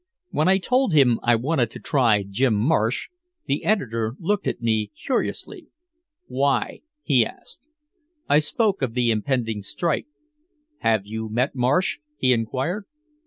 When I told him I wanted to try Jim Marsh, the editor looked at me curiously. "Why?" he asked. I spoke of the impending strike. "Have you met Marsh?" he inquired.